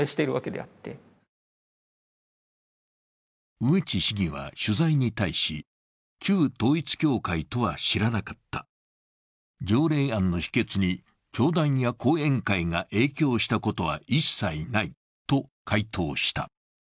上地市議は取材に対し旧統一教会とは知らなかった、条例案の否決に教団や講演会が影響したことは一切ないと回答した。